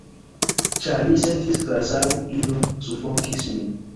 Ĉar mi sentis kvazaŭ io sufokis min.